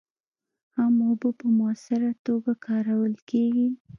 هم اوبه په مؤثره توکه کارول کېږي.